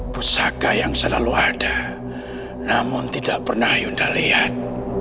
pusaka yang selalu ada namun tidak pernah yunda lihat